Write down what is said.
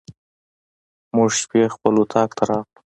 موږ شپې خپل اطاق ته راغلو.